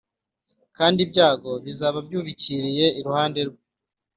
kandi ibyago bizaba byubikiriye iruhande rwe